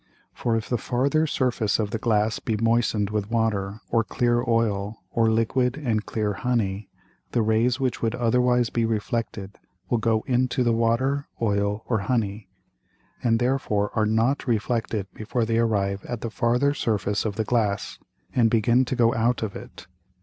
For if the farther Surface of the Glass be moisten'd with Water or clear Oil, or liquid and clear Honey, the Rays which would otherwise be reflected will go into the Water, Oil, or Honey; and therefore are not reflected before they arrive at the farther Surface of the Glass, and begin to go out of it.